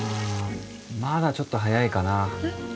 まだちょっと早いかなえっ？